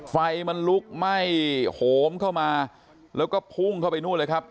ไฟมันลุกไหม้โหมเข้ามาแล้วก็พุ่งเข้าไปนู่นเลยครับ